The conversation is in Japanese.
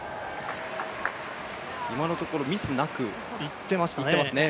今のところミスなくいってますね。